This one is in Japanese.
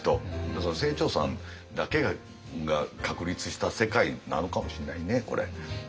だから清張さんだけが確立した世界なのかもしんないねこれ。